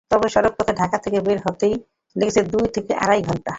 তবে সড়কপথে ঢাকা থেকে বের হতেই লেগেছে দুই থেকে আড়াই ঘণ্টা।